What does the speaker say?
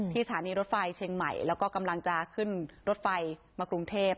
สถานีรถไฟเชียงใหม่แล้วก็กำลังจะขึ้นรถไฟมากรุงเทพ